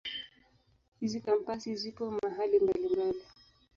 Hizi Kampasi zipo mahali mbalimbali.